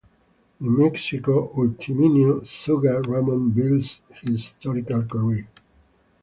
In Mexico, Ultiminio "Sugar" Ramos built his historical career.